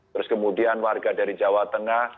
terus kemudian warga dari jawa tengah